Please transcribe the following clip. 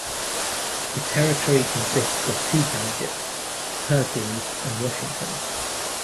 The territory consists of two townships, Perkins and Washington.